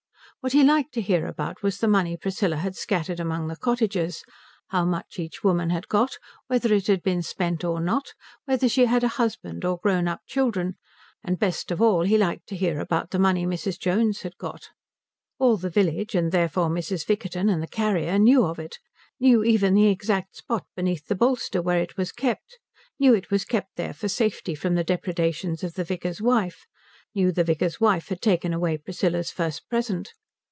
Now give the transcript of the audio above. What he liked to hear about was the money Priscilla had scattered among the cottagers, how much each woman had got, whether it had been spent or not, whether she had a husband, or grown up children; and best of all he liked to hear about the money Mrs. Jones had got. All the village, and therefore Mrs. Vickerton and the carrier, knew of it, knew even the exact spot beneath the bolster where it was kept, knew it was kept there for safety from the depredations of the vicar's wife, knew the vicar's wife had taken away Priscilla's first present.